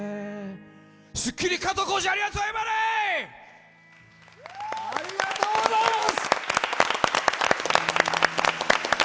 『スッキリ』、加藤浩次、ありがとうございます！